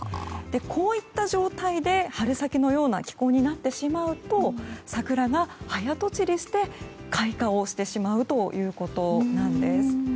こういった状態で春先のような気候になってしまうと桜が早とちりして開花をしてしまうということなんです。